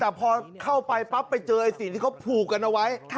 แต่พอเข้าไปปั๊บไปเจอไอ้สิ่งที่เขาผูกกันเอาไว้